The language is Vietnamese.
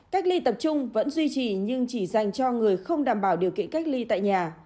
cách ly tập trung vẫn duy trì nhưng chỉ dành cho người không đảm bảo điều kiện cách ly tại nhà